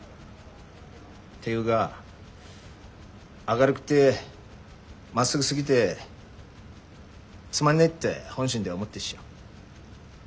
っていうか明るくてまっすぐすぎでつまんねえって本心では思ってっしょ。